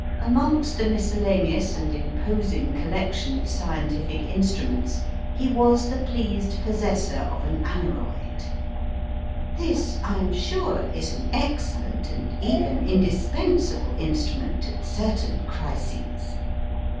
Amongst a miscellaneous and imposing collection of scientific instruments, he was the pleased possessor of an aneroid. This I am sure is an excellent and even indispensable instrument at certain crises.